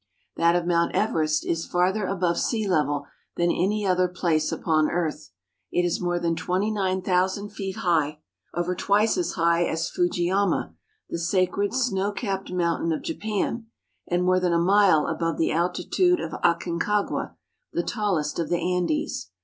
That of Mount Everest is farther above sea level than any other place upon earth. It is more than twenty nine thousand feet high ; over twice as high as Fujiyama, the sacred snow capped mountain of Japan, and more than a mile above the altitude of Aconcagua, the tallest of the Andes.